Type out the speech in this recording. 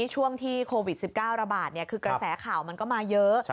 ช่วงที่โควิด๑๙ระบาดคือกระแสข่าวมันก็มาเยอะ